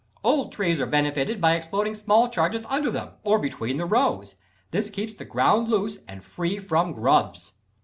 Old trees are benefited by exploding small charges under them, or between the rows. This keeps the ground loose, and free from grubs.